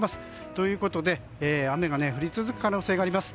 ということで雨が降り続く可能性があります。